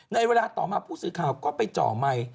ในเวลาต่อมาผู้สื่อข่าวก็ไปจ่อใหม่